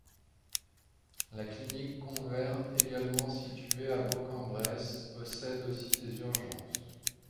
La clinique Convert également située à Bourg-en-Bresse possède aussi des urgences.